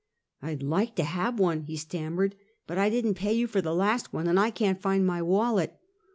" I 'd like to have one, " he stammered; " but I didn't pay you for the last one, and I can 't find my wallet!